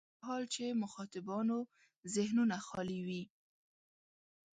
دا مهال چې مخاطبانو ذهنونه خالي وي.